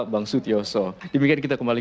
bang sut yoso demikian kita kembali